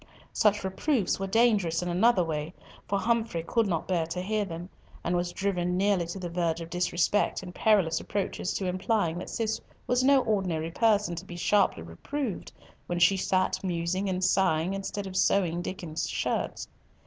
Such reproofs were dangerous in another way, for Humfrey could not bear to hear them, and was driven nearly to the verge of disrespect and perilous approaches to implying that Cis was no ordinary person to be sharply reproved when she sat musing and sighing instead of sewing Diccon's shirts.